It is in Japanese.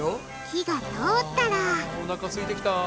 火が通ったらあおなかすいてきた。